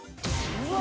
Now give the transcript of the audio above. うわ！